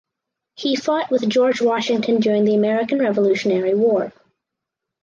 He fought with George Washington during the American Revolutionary War.